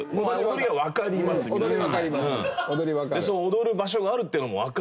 踊る場所があるっていうのもわかる？